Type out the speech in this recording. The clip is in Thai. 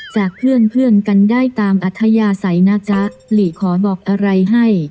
จากเพื่อนเพื่อนกันได้ตามอัธยาศัยนะจ๊ะหลีขอบอกอะไรให้